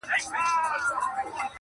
اوښکه یم په لاره کي وچېږم ته به نه ژاړې؛